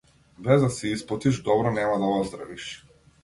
Без да се испотиш добро нема да оздравиш.